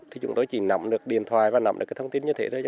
thì chúng tôi chỉ nắm được điện thoại và nắm được thông tin như thế thôi